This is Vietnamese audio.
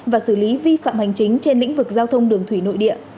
và xử lý vi phạm hành chính trên lĩnh vực giao thông đường thủy nội địa